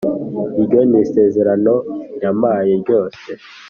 Iryo ni isezera no yampaye ryose